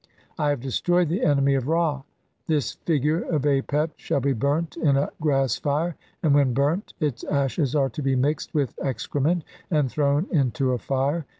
I have destroyed the enemy "of Ra.' This figure of Apep shall be burnt in a "grass fire, and when burnt, its ashes are to be mixed "with excrement and thrown into a fire.